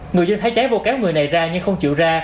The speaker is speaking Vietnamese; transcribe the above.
người dân thấy cháy vô kéo người này ra nhưng không chịu ra